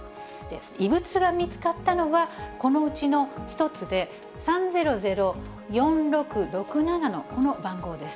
異物が見つかったのは、このうちの１つで、３００４６６７のこの番号です。